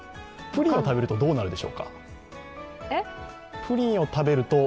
プリンを食べるとどうなるでしょうか？